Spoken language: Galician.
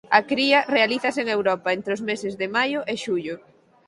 A cría realizase en Europa entre os meses de maio e xullo.